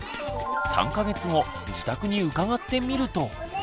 ３か月後自宅に伺ってみると。